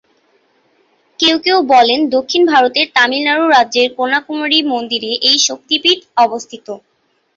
কেউ কেউ বলেন দক্ষিণ ভারতের তামিলনাড়ু রাজ্যের কন্যাকুমারী মন্দিরে এই শক্তিপীঠ অবস্থিত।